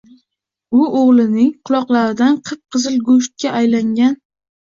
U o‘g‘lining quloqlaridan qip-qizil go‘shtga aylangan.